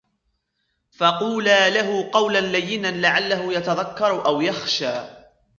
فقولا له قولا لينا لعله يتذكر أو يخشى